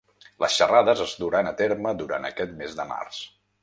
Les xerrades es duran a terme durant aquest mes de març.